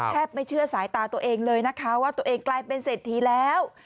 ไม่เชื่อสายตาตัวเองเลยนะคะว่าตัวเองกลายเป็นเศรษฐีแล้ว